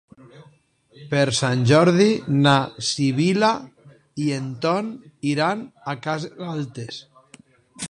Per Sant Jordi na Sibil·la i en Ton iran a Cases Altes.